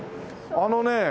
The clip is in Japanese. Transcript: あのね。